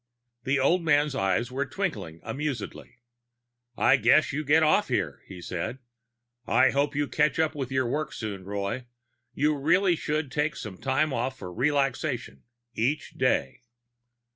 The old man's eyes were twinkling amusedly. "I guess you get off here," he said. "I hope you catch up with your work soon, Roy. You really should take some time off for relaxation each day."